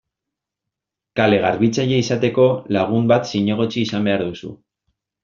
Kale-garbitzaile izateko, lagun bat zinegotzi izan behar duzu.